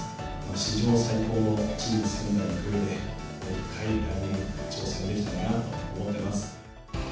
史上最高のチーム、仙台育英でもう１回、来年、挑戦できたらなと思ってます。